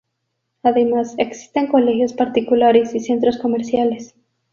Además, existen colegios particulares y centros comerciales.